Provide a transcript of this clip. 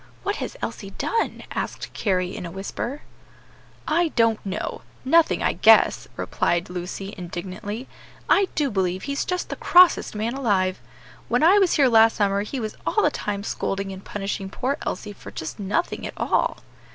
what has Elsie done?" asked Carry in a whisper. "I don't know; nothing I guess," replied Lucy, indignantly. "I do believe he's just the crossest man alive! When I was here last summer he was all the time scolding and punishing poor Elsie for just nothing at all."